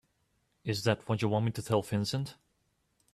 Is that what you want me to tell Vincent?